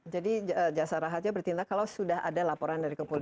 jadi jasa raja bertindak kalau sudah ada laporan dari kepolisian